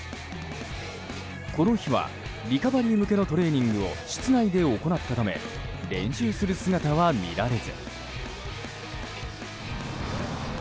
この日はリカバリー向けのトレーニングを室内で行ったため練習する姿は見られず。